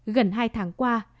gần hai tháng qua